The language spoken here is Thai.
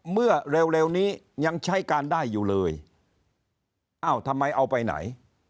เมื่อเร็วเร็วนี้ยังใช้การได้อยู่เลยอ้าวทำไมเอาไปไหน